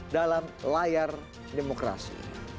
dalam layar demokrasi